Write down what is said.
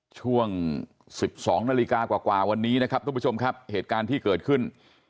ช่วง๑๒นาฬิกากว่าวันนี้นะครับทุกผู้ชมครับเหตุการณ์ที่เกิดขึ้น